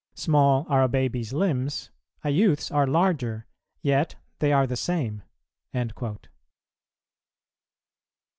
Small are a baby's limbs, a youth's are larger, yet they are the same."[172:1] 2.